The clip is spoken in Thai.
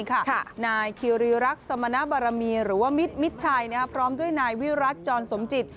นายคิวรีรักษ์สมณบารมีหรือว่ามิดมิดชัยพร้อมด้วยนายวิรัติจรสมจิต